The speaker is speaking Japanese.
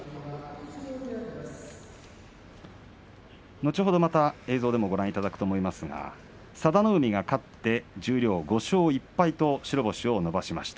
後ほどまた映像でもご覧いただくと思いますが佐田の海が勝って十両５勝１敗と白星を伸ばしました。